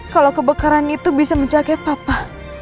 kalau kebakaran itu bisa menjaga papa